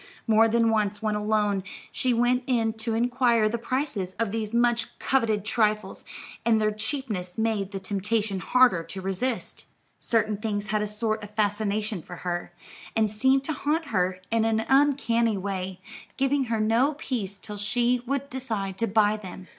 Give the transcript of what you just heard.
More than once, when alone, she went in to inquire the prices of these much coveted trifles, and their cheapness made the temptation harder to resist. Certain things had a sort of fascination for her, and seemed to haunt her in an uncanny way, giving her no peace till she would decide to buy them.